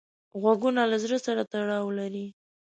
غوږونه له زړه سره تړاو لري